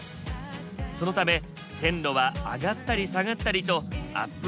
そのため線路は上がったり下がったりとアップ